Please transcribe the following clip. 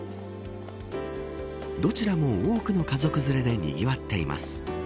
どちらも多くの家族連れでにぎわっています。